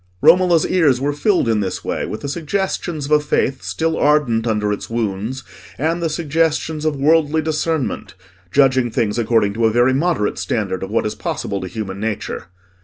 Romola's ears were filled in this way with the suggestions of a faith still ardent under its wounds, and the suggestions of worldly discernment, judging things according to a very moderate standard of what is possible to human nature.